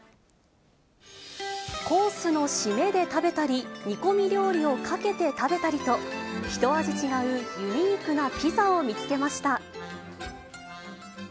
コースの締めで食べたり、煮込み料理をかけて食べたりと、一味違うユニークなピザを見つけました。